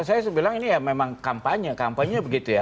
saya bilang ini ya memang kampanye kampanye begitu ya